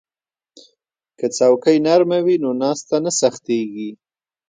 که څوکۍ نرمه وي نو ناسته نه سختیږي.